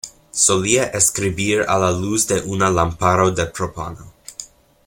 Solía escribir a la luz de una lámpara de propano.